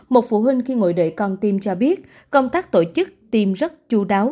một phụ huynh khi ngồi đợi con tim cho biết công tác tổ chức tiêm rất chú đáo